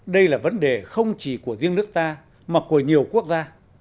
đây là vấn đề không chỉ của riêng nước ta mà của nhiều quốc gia